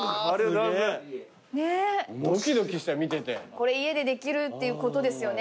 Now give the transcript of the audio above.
これ家でできるっていうことですよね